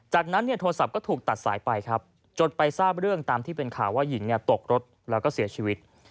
จากนั้นเนี่ยโทรศัพท์ก็ถูกตัดสายไปครับจนไปทราบเรื่องตามที่เป็นข่าวว่าหญิงตกรถแล้วก็เสียชีวิต